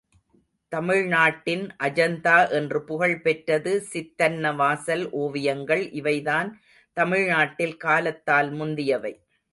தமிழ்நாட்டின் அஜந்தா என்று புகழ் பெற்றது சித்தன்னவாசல் ஓவியங்கள், இவைதான் தமிழ்நாட்டில் காலத்தால் முந்தியவை.